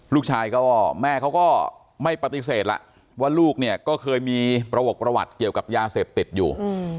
ลูกชายก็ไม่ปฏิเสธแม่ว่าลูกมีประวัติเกี่ยวกับยาเสพติดอยู่